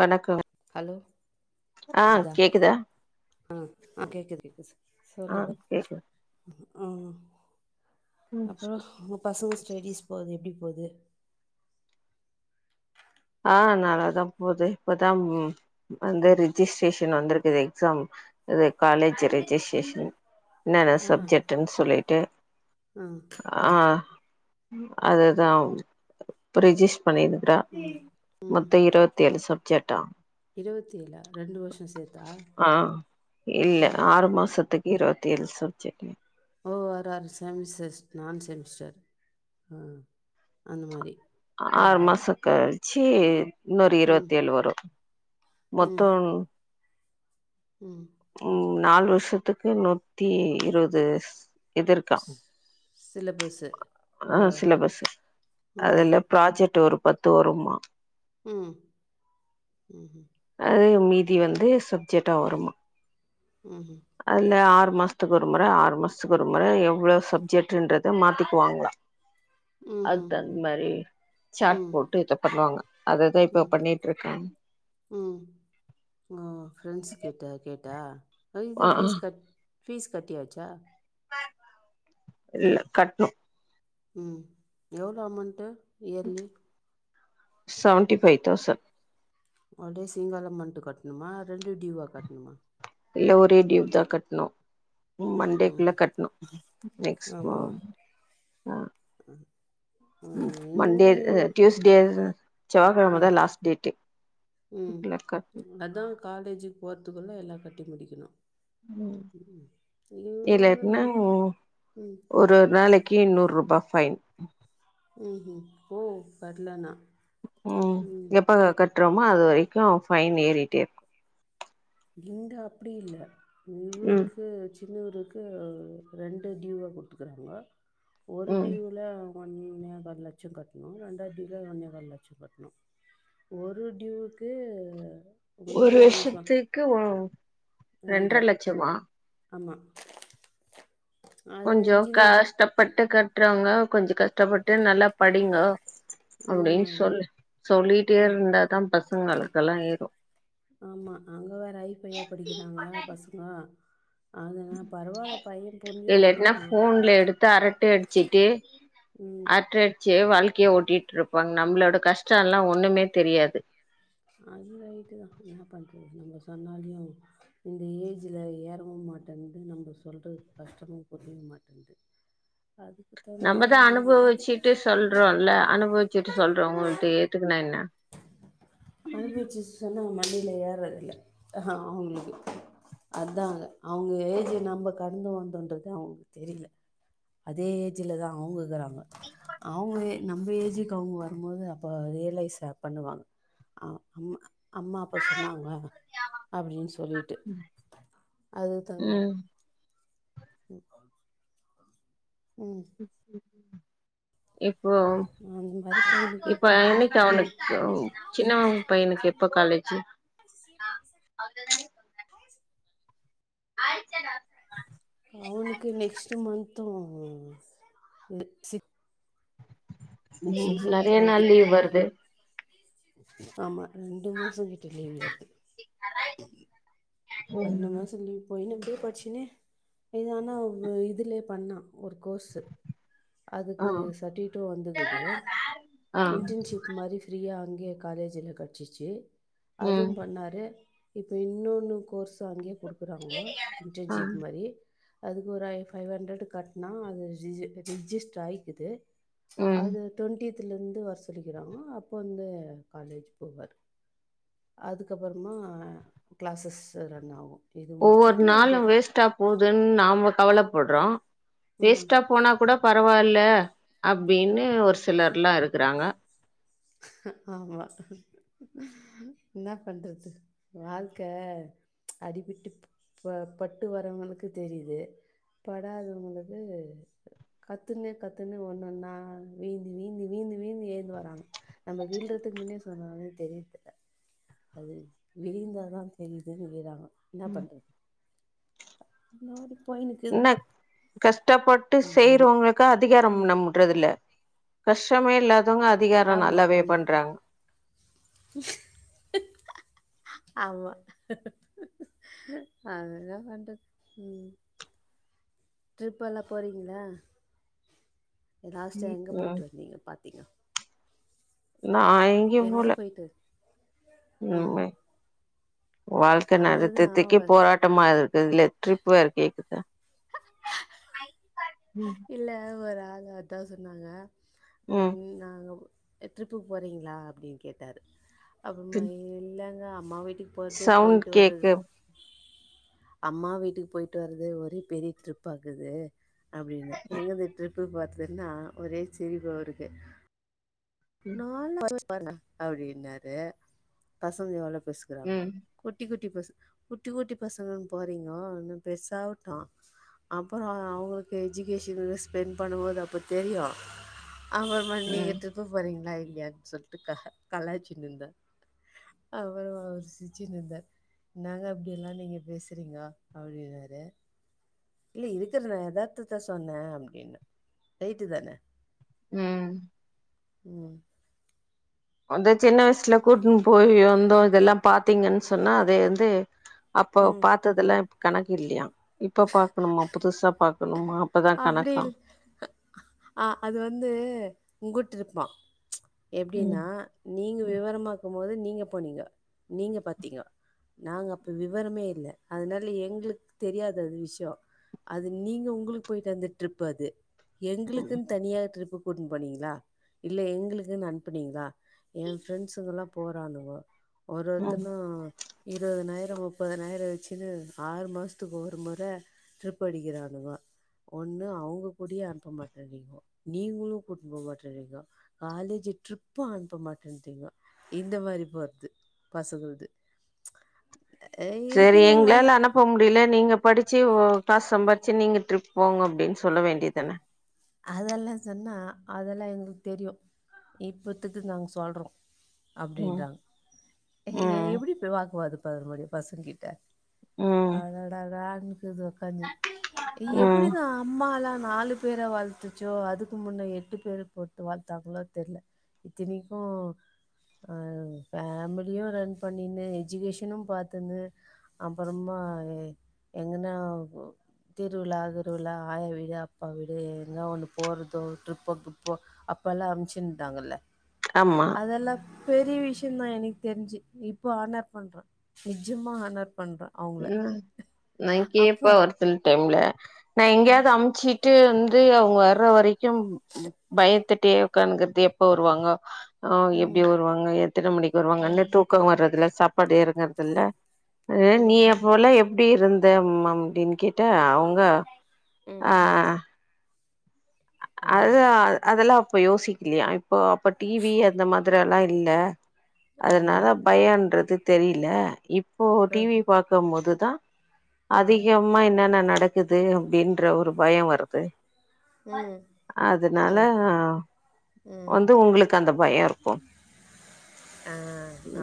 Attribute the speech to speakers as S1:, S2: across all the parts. S1: வணக்கங்க
S2: ஹலோ
S1: ஆ கேக்குதா
S2: ஆ ஆ கேக்குது கேக்குது
S1: ஆ
S2: சொல்லுங்க
S1: கேக்குது
S2: ஆ
S1: ம்
S2: அப்பறோ உங்க பசங்க ஸ்டடிஸ் போகுது எப்டி போது
S1: ஆ நல்லாதா போது இப்பதா அந்த
S2: ம்
S1: ரிஜிஷ் ட்ரேஷன் வந்திருக்குது எக்ஸாம் இது காலேஜ் ரெஜிஸ்ட்ரேஷன் என்னென்ன சப்ஜெக்ட்ன்னு சொல்லிட்டு
S2: ம்
S1: ஆ அதுதா இப்ப ரிஜிஸ்டர் பண்ணிருக்குறா
S2: ம் ம்
S1: மொத்தோ இருவத்தி ஏழு சப்ஜெக்டா
S2: இருவத்தி ஏழா ரெண்டு வருஷோ சேத்தா
S1: ஆ இல்ல
S2: ம்
S1: ஆறு மாசத்துக்கு இருவத்தேழு சப்ஜெக்ட்
S2: ஓ ஆறு ஆறு செமிஸ்டர் நான் செமிஸ்டர் ம் அந்த மாரி
S1: ஆறு
S2: ஆஹா
S1: மாசோ கழிச்சி இன்னொரு
S2: ம்
S1: இருவத்தேழு வரு
S2: ம்
S1: மொத்தோ
S2: ம்
S1: ம் நாலு வருஷத்துக்கு நூத்தி இருவது இது இருக்கா
S2: சிலபஸ்
S1: ஆ சிலபஸ் அதுல ப்ராஜெக்ட் ஒரு பத்து வருமா
S2: ம் ம் ம்
S1: அது மீதி வந்து சப்ஜெக்டா வருமா
S2: ம் ஹூ
S1: அதுல ஆறு மாசத்துக்கு ஒரு முறை ஆறு மாசத்துக்கு ஒரு முறை எவ்வளவு சப்ஜெக்ட்ன்றத மாத்திக்கு வாங்கலா அதுக்
S2: ம்ஹூம்
S1: தகுந்த மாரி சாட்
S2: ம்
S1: போட்டு இத பண்ணுவாங்க அததா இப்ப
S2: ம்
S1: பண்ணிட்ருக்காங்க
S2: ம் ஓ ஃப்ரெண்ட்ஸ் கிட்ட கேட்டா
S1: ஆ
S2: இது
S1: ஆ
S2: ஃபீஸ் கட் ஃபீஸ் கட்டியாச்சா
S1: இல்ல கட்னு
S2: ம் எவ்ளோ amount yearly
S1: seventy five thousand
S2: ஒரே சிங்கிள் அமௌண்ட் கட்டணுமா ரெண்டு டியூவா கட்ணுமா
S1: இல்ல ஒரே டியூ தா கட்ணு
S2: ம்
S1: மண்டேக்குள்ளே கட்ணு நெக்ஸ்ட்
S2: ஆமா
S1: ம அ மண்டே
S2: ம்
S1: த
S2: இவங்க
S1: டியுஸ்டே த செவ்வா
S2: ஆ
S1: கெழமதா லாஸ்ட் டேட்டு கட்
S2: காலேஜுக் போறதுக்குள்ள எல்லா கட்டி முடிக்கணு ம் இவனு
S1: இல்லனா
S2: ம்
S1: ஒரு நாளைக் கு நூறுபா ஃபைன்
S2: ம் ம் ஓ வர்லனா
S1: ம் எப்ப கட்றமோ அது வரைக்கு ஃபைன் ஏறிட்டே இரு
S2: இங்க அப்டி இல்ல
S1: ம்
S2: இவுருக்கு சின்னவருக்கு ரெண்டு டியூவா குடுத்துக்குறாங்க ஒரு
S1: ம்
S2: டியூல ஒன்னே கால் லட்ச கட்ணு ரெண்டாது டியூல ஒன்னே கால் லட்ச கட்ணு ஒரு டியூக்கு
S1: ஒரு வருஷத்துக்கு வ
S2: ரெண்ற ஆமா அது
S1: கொஞ்ச
S2: இன்ஜினியர்
S1: கஷ்டப்பட்டு கட்றவங்க கொஞ்ச கஷ்டப்பட்டு நல்லா படிங்கோ அப்டின்
S2: ம்.
S1: சொல்லு சொல்லிட்டே
S2: ஆ
S1: இருந்தாதா பசங்களுக்கெல்லா ஏறு
S2: ஆமா அங்க வேற ஐ பையா படிக்கிறாங்களா பசங்க அதனா பரவால பைய புரிஞ்சுட் படிக்கறா
S1: துல எடுத்து அரட்டை அடிச்சிட்டு
S2: ம்.
S1: அரட்ட அடச்சே வாழ்க்கைய ஓட்டிட்டு இருப்பாங்க நம்மளோட கஷ்டெல்லா ஒண்ணுமே தெரியாது
S2: அது ரைட்டுதா என்ன பண்றது நம்ம சொன்னாலயு இந்த ஏஜ்ல ஏறவு மாட்டன்து நம்ம சொல்றது கஷ்டமு புரிய மாட்டன்து
S1: நம்மதா
S2: அவங்க மாற்றி
S1: அனுபவிச்சுட்டு சொல்றோல்ல அனுபவிச்சுட்டு சொல்றோ உங்கள்ட்ட ஏத்துக்குனா என்ன
S2: அனுபவிச்சுட்டு சொன்னா அவ மண்டைல ஏறதில்ல அவுங்ளுக்கு அதாங்க அவுங்க ஏஜ நம்ம கடந்து வந்தோன்றது அவங்களுக்கு தெரில அதே ஏஜ்லதா அவங்க இக்கறாங்க அவங்க நம்ம ஏஜுக்கு அவங்க வரும்போது அப்போ ரியலைஸ் பண்ணுவாங்க அ அம் அம்மா அப்போ சொன்னாங்க அப்டின்னு சொல்லிட்டு அதுக் தகுந்த மாரி
S1: ம்
S2: ம்
S1: இப்போ
S2: அந்த மாரி போயினுக்குது
S1: இப்ப என்னைக்கு
S2: ம்
S1: அவனுக்கு சின்னவ பையனுக்கு எப்ப காலேஜ்
S2: அவனுக்கு நெக்ஸ்ட்டு மந்த்தும் வாங்குவிங்ளா இது நெக்ஸ்ட்
S1: ம்
S2: மாசோ
S1: நெறையா
S2: டுவெண்ட்டி
S1: நாள் லீவ் வருது
S2: ஆமா ரெண்டு மாச கிட்ட லீவ் வருது இன்னமே சொல்லி நின்னுகிட்டே படிச்சனே இது ஆனா இதுலே பண்ணா ஒரு கோஸு
S1: ஆ
S2: அதுக்கு சர்டிக்ட்டு வந்துக்குது
S1: ஆ
S2: இன்டர்ன்ஷிப் மாரி ப்ரீயா அங்கே காலேஜில கடச்சிர்ச்சி அது
S1: ம்
S2: பண்ணாரு இப்போ இன்னொன்னுக்கு கோர்ஸ் அங்கே குடுக்குறாங்க
S1: ஆ
S2: இன்டன்ஜிப் மாரி அதுக்கு ஒரு ஐ ஃபைவ் ஹண்ட்ரட் கட்னா அது ஜிஜே ரிஜிஸ்ட்ரு ஆயிக்குது
S1: ம்
S2: அது டுவெண்டித்ல இருந்து வர சொல்லிக்கிறாங்க அப்ப வந்து காலேஜ் போவாரு அதுக்கப்றமா கிளாஸஸ் ரன் ஆவு
S1: ஒவ்வொரு நாளு வேஸ்ட்டா போதுன் நாம கவலப்பட்றோ
S2: ம்
S1: வேஸ்ட்டா போனா குட பரவாயில்ல அப்டின்னு ஒரு சிலர்லா இருக்குறாங்க
S2: ஆமா என்னா பண்றது வாழ்க்க அடிபிட்டு ப்ப பட்டு வரவங்களுக்கு தெரிது படாதவங்களுக்கு கத்துனு கத்துனு வந்தாங்க நாங்க வீந்தி வீந்தி வீந்தி வீந்தி ஏந்து வராங்க நம்ப வீழ்றதுக்கு முன்னே சொன்னாலே தெரிது அது விழுந்தாதா தெரிதுன்னு விழறாங்க என்னா பண்றது
S1: என்னா கஷ்டப்பட்டு
S2: ம் ஜானி
S1: செய்றவங்களுக்கு அதிகாரம்
S2: ம்
S1: நமக் ட்றதில்ல கஷ்டமே இல்லாதவங்க அது
S2: ஆமா ஆமா ஆமா அது வேனா பண்றது ம் ட்ரிபெல்லா போறீங்களா லாஸ்ட்டா எங்க
S1: ம்
S2: பொய்ட்டு வந்தீங்க பாத்திங்க
S1: நா எங்யு
S2: எங்க
S1: போல
S2: போயிட்டு? ஆ.
S1: ம் ஓய் வாழ்க்க
S2: அதுதான்
S1: நடுதித்திக்கு
S2: ஒ
S1: போராட்டமா இருக்கு இதுல ட்ரிப் வேற கேக்குதா ம்
S2: இல்ல ஒரு ஆள் அதா சொன்னால
S1: ம்
S2: நீ நாங் ட்ரிப்புக்கு போறீங்களா அப்டின் கேட்டாரு அப்றமா இல்லங்க அம்மா வீட்டுக்கு பொறதே
S1: சவுண்ட்
S2: பொயிட்டு வரே
S1: கேக்கு
S2: அம்மா வீட்டுக்கு பொயிட்டு வறதே ஒரே பெரிய ட்ரிப்பா இருக்குது அப்டின் எங்க இருந்து ட்ரிப்பு போறதின்னா ஒரே சிரிப்பா வருது சூஸ் பண்ணு அப்டின்னாரு பசங்க எவ்ள பெஸ்
S1: ம்
S2: இக்றாங்கனு குட்டி குட்டி பசு குட்டி குட்டி பசங்கனு போறீங்க இன்னு பெருசாவுட்டு அப்றோ அ அவுங்ளுக்கு எஜிகேஷன் ஃபீஸ் ஸ்பெண்ட் பண்ணும்போது அப்ப தெரியு அவன
S1: ம்
S2: [unintelligible] போறீங்களா இல்லயானு சொல்ட்டு க கலாய்ச்சின்தே அவரு சிச்சின்ந்தார் என்னாங்க இப்டியெல்லா நீங்க பேசுறீங்க அப்டின்னாரு இல்ல இருக்குற யதார்த்தத்த சொன்னே அப்டின்னு கரெட்டு தானே
S1: ம்
S2: ம்
S1: அந்த சின்ன வயசுல கூட்டுன்னு போய் வந்தோ இதெல்லா பாத்தீங்கன் சொன்னா அது வந்து அப்போ
S2: ம்
S1: பாத்ததெல்லா கணக்கு இல்லியா இப்போ பாக்கணுமா புதுசா பாக்கணுமாப்
S2: அப்டில் ஆ அது வந்து உங்கிட்டிருப்பா
S1: ம்
S2: எப்டின்னா நீங்க விவரமாக்கும் போது நீங்க போனீங்கோ நீங்க பாத்தீங்கோ நாங்க அப்ப விவரமே இல்ல அதனால எங்ளுக் தெரியாத அது விஷ்யோ அது நீங்க உங்ளுக் போயிட்டு அந்த ட்ரிப்பு அது
S1: ம்
S2: எங்குளுக்குன் தனியா ட்ரிப்புப் கூட்னு போனீங்கிளா இல்ல எங்குளுக்குன் அன்ப்புனீங்ளா எ ஃப்ரெண்ட்ஸுங்கெல்லாப் போறானுவே ஒரு
S1: ம்
S2: ஒர்த்தனு இருவதனாயிரோ முப்பதனாயிரோ வெச்சுனு ஆறு மாச்த்துகு ஒரு முற ட்ரிப்பு அடிகிறானுவா ஒன்னு அவுங்க கூடியே அன்ப்ப மாட்ருகிகோ நீங்குளு கூட்னு போ மாட்ருறீகோ காலேஜூ ட்ரிப்பு அன்ப்ப மாட்டேன்றீங்கோ இந்த மாரிப் போற்த்து பசங்கிள்து அ இருக்கிற வயிஃப்
S1: போம்முடில நீங்கப் படிச்சி வ் காசு சம்பாரிச்சு நீங்க ட்ரிப் போங்க அப்டின் சொல்ல வேண்டிதானே
S2: அதெல்லா சொன்னா அதெல்லா எங்ளுக் தெரியு இப்போத்துக்கு நாங்க சொல்றோ
S1: ம்
S2: அப்டின்றாங் எ
S1: ம்
S2: எப்டி இப்டி வாக்குவாதோ பத முடியு பசங்கிட்ட
S1: ம்
S2: அடடடடான் இக்குது ஒக்காந்தின்
S1: ம்
S2: எப்புடிதா ம்மாலா நாலு பேர வள் த்துச்சோ அதுக்கு முன்னா எட்டு பேரு போட்டு வள்த்தாங்ளோத் தெர்ல இத்தினிக்கு அ ஃபேமிலியு ரன் பண்ணினு எஜகேஷனும் பாத்துன்னு அப்பறமா எ எங்கனாவ் திருவிழா கிருவிழா ஆயா விடு அப்பா வீடு எங்கா ஒன்னுப் போறதோ ட்ரிப்போ கிப்போ அப்பெல்லா அம்ச்சுந்தாங்கல்ல
S1: ஆமா
S2: அதெல்லா பெரிய விஷ்யந்தா எனக் தெரிஞ்சி இப்போ ஆனர்ப் பண்றே நிஜமா ஆனர் பண்றே அவங்கள
S1: ம் நாங்
S2: அப்ப
S1: கேப்பே ஒரு சில டைம்ல நா
S2: அ
S1: எங்கியாது அம்ச்சிட் ட்டு இந்து அவுங்க வர்ற வரைக்கும் பயத்துட்டே உக்கான்னுகுறது எப்ப வருவாங்கோ ஆ எப்டி
S2: ம்
S1: வருவாங்க எத்தன மணிக்கு வருவாங்க
S2: ம்
S1: அன்னேத்தூ க்கோ வரதுல சாப்பாடு எங்கர்துல்ல அது நீ
S2: ம்
S1: அப்போ எல்லா எப் ப்டி இருந்தே ம்மம் அப்டின் கேட்டா அவுங்கா
S2: ம்
S1: ஆ
S2: ம்
S1: அதுதா அதெல்லா அப்ப யோசிக்கிலியா இப்போ அப்ப டி வி அந்த மாதிரி அல்லா இல்ல
S2: ஆமா
S1: அதனால பயோன்றது தெரில இப்போ
S2: அ
S1: டி விப் பாக்கம்மோதுதா
S2: அ
S1: அதிகம் மா என்னென்ன நடக்குது அப்டின்ற ஒரு பயோ வருது
S2: ம்
S1: அதனால
S2: ம் ம்.
S1: வந்து உங்ளுக்கு அந்த பயோ இருக்கு
S2: ஆ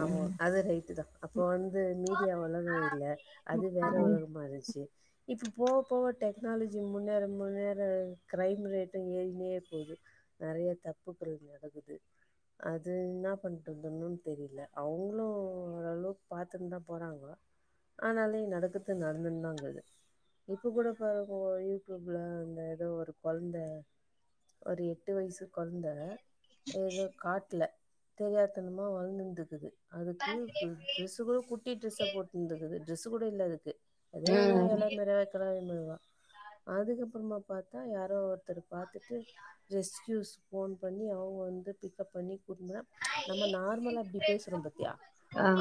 S2: ஆமா அது ரைட்டுதா அப்போ வந்து மீடியா ஒலகோ இல்ல அது வேற
S1: ம்
S2: உலகமா இருந்ச்சி இப்போ போவப் போவ டெக்னாலஜி முன்னேற முன்னேற கிரைம் ரேட்டு ஏறிகினே போவுது நெறையத் தப்புக்கள் நடகுது அது என்னாப் பண் டுந்துன்னுன் தெரியில அவுங்ளு ஓரளவுக் பாத்துன்தாப் போறாங்கோ ஆனாலே நடக்குத்து நடந்துன்தா இங்குது இப்போ கூட பாருங்கோ ஓ யூடியூப்ல அந்த எதோ ஒருக் கொழந்த ஒரு எட்டு வயிசு கொழந்த எதோக் காட்ல தெரியாத்தனமா வளழ்ந்துகுது அதுக்கு [unintelligible] ட்ரெஸு கூட குட்டி ட்ரெஸ்ஸா போட்னுந்துகுது ட்ரெஸ்ஸு கூட இல்ல அதுக்கு அதே எதா எலே மறைவாக் [unintelligible] அதுக்கப்புறமா பாத்தா யாரோ ஒருத்தர் பாத்துட்டு ரெஸ்க்யூஸ் ஃபோன் பண்ணி அவுங்க வந்து பிக்கப் பண்ணி கூட்டுனு போனா நம்ம நார்மலா இப்டி பேசுறோ பாத்தியா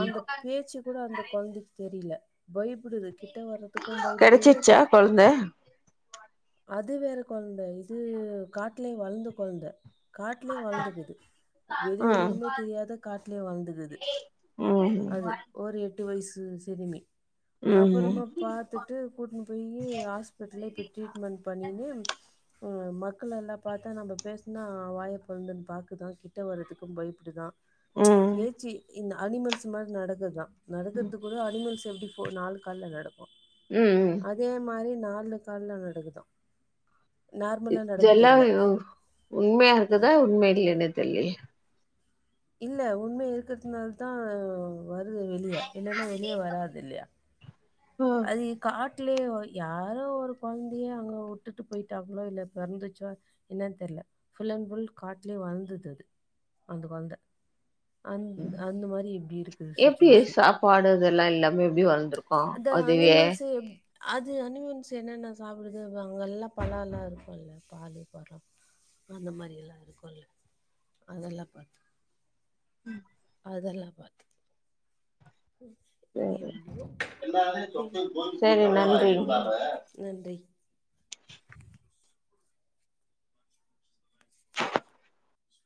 S2: அந்த பேச்சு கூட அந்த கொழந்தைக்கு தெரியில பயப்புடுது கிட்ட வர்றத்துக்கு பயப்புடுது
S1: கெடச்சிருச்சா கொழந்த
S2: அது வேற கொழந்த இது காட்லயே வளந்த கொழந்த காட் லேயே வளந்துக்குது வெளி உலகமே
S1: ம்
S2: தெரியாத காட்லேயே வளந்துக்குது
S1: ம்
S2: ஒரு எட்டு வயசு சிறுமி
S1: ம்
S2: அப்புறமா பாத்துட்டு கூட்டினு போயி ஹாஸ்பிட்டல்ல இப்ப ட்ரீட்மெண்ட் பண்ணின்னு ஆ மக்களெல்லா பாத்தா நம்ப பேசுனா வாய பொழுந்துன்னு பாக்குதா கிட்ட வர்றதுக்கும் பயப்புடுதா பேச்சு இந்த அனிமல்ஸ் மாரி நடக்குதா நடக்கறதுக் கூட அனிமல்ஸ் எப்டி ஃபோ நாலு கால்ல நடக்கு
S1: ம் ம்
S2: அதே மாரி நாலு கால்ல நடக்குதா
S1: இது ஜெல்லாயோ உண்மையா இருக்குதா உண்ம இல்லன்னு தெர்லயே
S2: இல்ல உண்மை இருக்கறதுனால தா வருது வெளிய இல்லன்னா வெளிய வராது இல்லயா
S1: ம்
S2: அது காட்லயே யாரோ ஒரு கொழந்தைய அங்க விட்டுட்டு போய்ட்டாங்களோ இல்ல பெறந்துச்சோ என்னன்னு தெர்ல ஃபுல் அண்ட் ஃபுல் காட்லயே வளந்தது அது அந்த கொழந்த அந் அந்த மாரி இப்டி இருக்குது சுச்சுவேஷன்
S1: பாடுறதுல்லா இல்லாம இப்டி வளந்துரு
S2: அது அனிமல்ஸே அது அனிமல்ஸ் என்னென்ன சாப்புடுது அங்கல்லா பழல்லா இருக்கு இல்ல பாலு பழ அந்த மாரி எல்லா இருக்குல்ல அதெல்லா பாத்
S1: ம்
S2: அதெல்லா பாத்து எவ்ளோ
S1: சேரி
S2: பெண்
S1: சேரி நன்றி
S2: ம் நன்றி